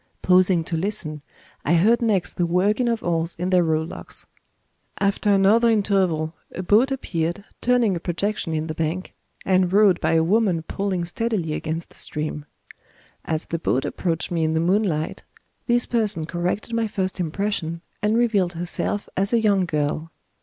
Pausing to listen, I heard next the working of oars in their rowlocks. After another interval a boat appeared, turning a projection in the bank, and rowed by a woman pulling steadily against the stream. As the boat approached me in the moonlight, this person corrected my first impression, and revealed herself as a young girl.